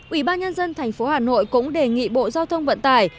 ubnd tp hà nội cũng đề nghị bộ giao thông quốc hội